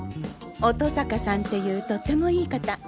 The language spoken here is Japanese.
乙坂さんていうとってもいい方。